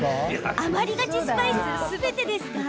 余りがちスパイスすべてですか？